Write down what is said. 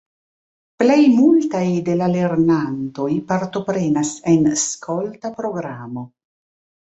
Plej multaj de la lernantoj partoprenas en skolta programo.